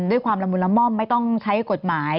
ด้วยความละมุนละม่อมไม่ต้องใช้กฎหมาย